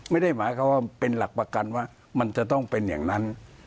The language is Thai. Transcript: ไม่ได้หมายความว่าเป็นหลักประกันว่ามันจะต้องเป็นอย่างนั้น